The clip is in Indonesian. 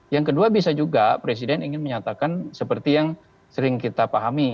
yang kedua bisa juga presiden ingin menyatakan seperti yang sering kita pahami